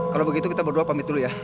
kalau begitu kita berdua pamit dulu ya